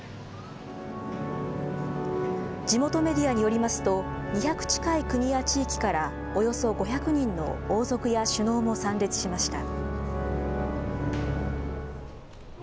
地元メディアによりますと、２００近い国や地域からおよそ５００人の王族や首脳も参列しました。